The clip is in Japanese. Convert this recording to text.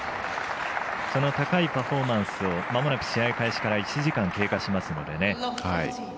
その高いパフォーマンスをまもなく試合開始から１時間経過しますのでね。